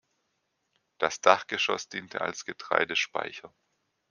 Das Dachgeschoss diente als Getreidespeicher.